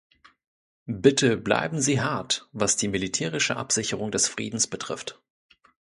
Bitte, bleiben Sie hart, was die militärische Absicherung des Friedens betrifft!